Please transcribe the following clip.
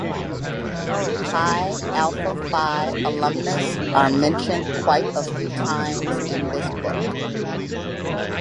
Pi Alpha Phi Alumnus are mentioned quite a few times in this book.